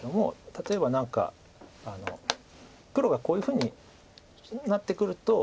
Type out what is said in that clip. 例えば何か黒がこういうふうになってくると。